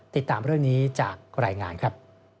ติดตามเรื่องนี้จากรายงานครับ